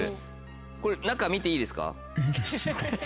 これ中見ていいですか？